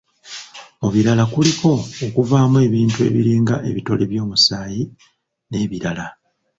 Mu birala kuliko okuvaamu ebintu ebiringa ebitole by'omusaayi n'ebirala